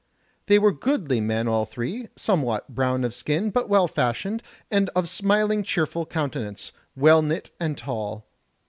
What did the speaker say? They were goodly men all three, somewhat brown of skin, but well fashioned, and of smiling cheerful countenance, well knit, and tall.